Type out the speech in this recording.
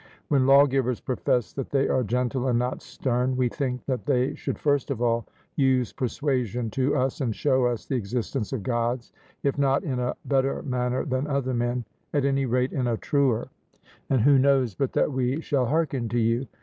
When lawgivers profess that they are gentle and not stern, we think that they should first of all use persuasion to us, and show us the existence of Gods, if not in a better manner than other men, at any rate in a truer; and who knows but that we shall hearken to you?